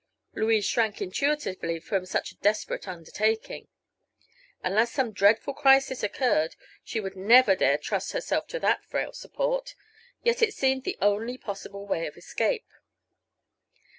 Louise shrank intuitively from such a desperate undertaking. Unless some dreadful crisis occurred she would never dare trust herself to that frail support. Yet it seemed the only possible way of escape.